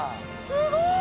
すごい！